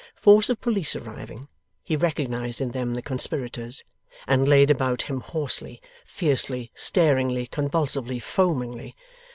Force of police arriving, he recognized in them the conspirators, and laid about him hoarsely, fiercely, staringly, convulsively, foamingly.